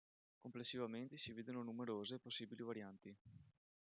Complessivamente si vedono numerose, possibili varianti.